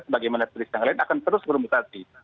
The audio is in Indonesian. sebagaimana tulisan lain akan terus bermutasi